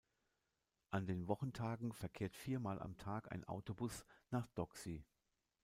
An den Wochentagen verkehrt viermal am Tag ein Autobus nach Doksy.